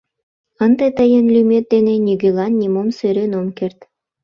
— Ынде тыйын лӱмет дене нигӧлан нимом сӧрен ом керт.